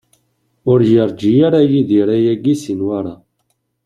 Ur yerǧi ara Yidir ayagi si Newwara.